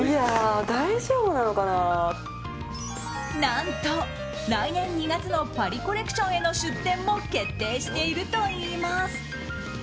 何と、来年２月のパリコレクションへの出展も決定しているといいます。